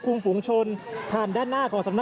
คุณภูริพัฒน์ครับ